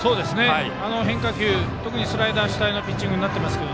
変化球、特にスライダーが主体のピッチングになっています。